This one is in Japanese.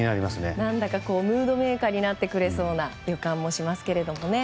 何だかムードメーカーになってくれそうな予感もしますけどね。